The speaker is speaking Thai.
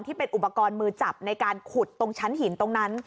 ที่เป็นอุปกรณ์มือจับในการขุดตรงชั้นหินตรงนั้น